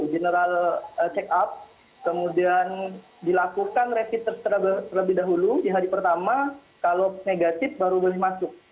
general check up kemudian dilakukan rapid test terlebih dahulu di hari pertama kalau negatif baru boleh masuk